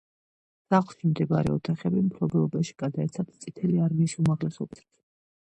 სახლში მდებარე ოთახები მფლობელობაში გადაეცათ წითელი არმიის უმაღლეს ოფიცრებს.